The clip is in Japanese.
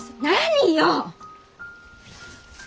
何よ！